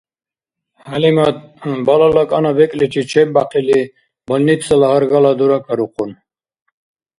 ХӀялимат балала кӀана бекӀличи чебяхъили больницала гьаргала дуракарухъун.